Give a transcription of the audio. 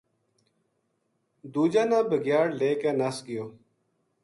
دوجا نا بھگیاڑ لے کے نس گیو